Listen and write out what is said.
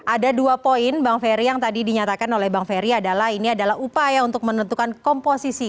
ada dua poin bang ferry yang tadi dinyatakan oleh bang ferry adalah ini adalah upaya untuk menentukan komposisi